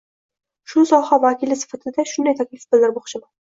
Shu soha vakili sifatida shunday taklif bildirmoqchiman.